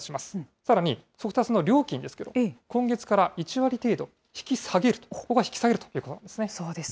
さらに速達の料金ですけど、今月から１割程度、引き下げる、ここは引き下げるということなんです